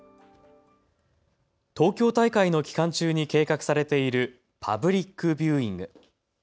東京大会の期間中に計画されているパブリックビューイング。